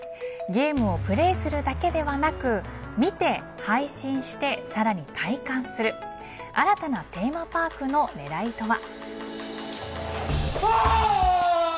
ゲームをプレーするだけではなく見て、配信してさらに体感する新たなテーマパークの狙いとは。